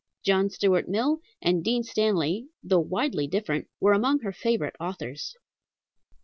John Stuart Mill and Dean Stanley, though widely different, were among her favorite authors.